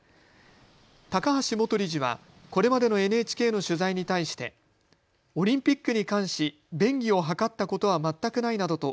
高橋元理事はこれまでのＮＨＫの取材に対してオリンピックに関し便宜を図ったことは全くないなどと